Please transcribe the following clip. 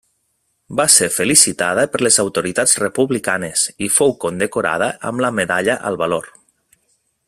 Va ser felicitada per les autoritats republicanes, i fou condecorada amb la medalla al valor.